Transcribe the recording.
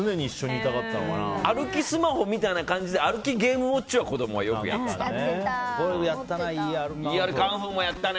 歩きスマホみたいな感じで歩きゲームウォッチは「イーアルカンフー」もよくやったね。